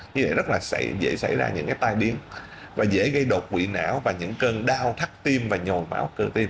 như vậy rất là dễ xảy ra những tai biến và dễ gây đột quỵ não và những cơn đau thắt tim và nhồi máu cơ tim